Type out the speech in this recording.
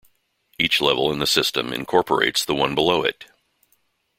Each level in the system incorporates the one below it.